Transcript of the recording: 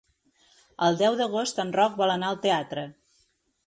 El deu d'agost en Roc vol anar al teatre.